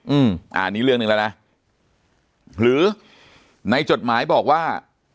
อืมอ่านี่เรื่องหนึ่งแล้วนะหรือในจดหมายบอกว่า